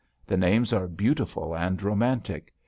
The names are beautiful and romantic.